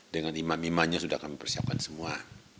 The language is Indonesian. dengan imam imanya sudah kami persiapkan semua